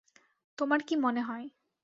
তোমার কী মনে হয়।